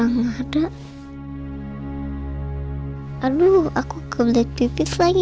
hai sorenya rama ada aduh aku kebelet pipis lagi